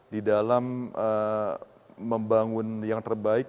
di dalam membangun yang terbaik